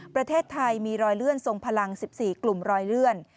ประเทศไทยมีรอยเลื่อนทรงพลัง๑๔กลุ่มรอยเลื่อน